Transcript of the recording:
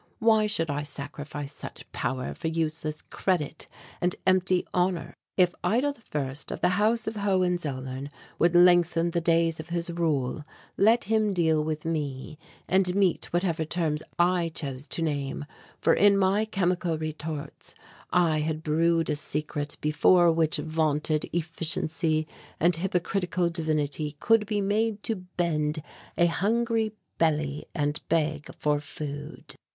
Why should I sacrifice such power for useless credit and empty honour? If Eitel I of the House of Hohenzollern would lengthen the days of his rule, let him deal with me and meet whatever terms I chose to name, for in my chemical retorts I had brewed a secret before which vaunted efficiency and hypocritical divinity could be made to bend a hungry belly and beg for food!